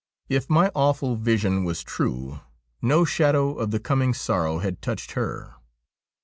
If my awful vision was true, no shadow of the coming sorrow had touched her.